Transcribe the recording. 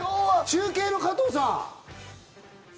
中継の加藤さん。